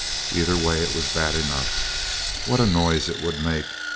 Either way it was bad enough. What a noise it would make!